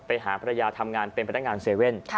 ไปหาภรรยาทำงานเป็นพนักงาน๗๑๑